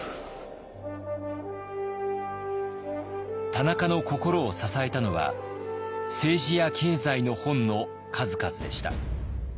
田中の心を支えたのは政治や経済の本の数々でした。